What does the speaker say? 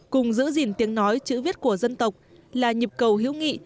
cùng giữ gìn tiếng nói chữ viết của dân tộc là nhịp cầu hữu nghị